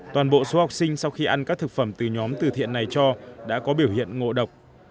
toàn bộ số học sinh sau khi ăn các thực phẩm từ nhóm từ thiện này cho đã có biểu hiện ngộ độc